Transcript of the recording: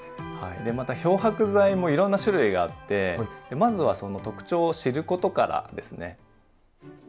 また漂白剤もいろんな種類があってまずはその特徴を知ることからですね。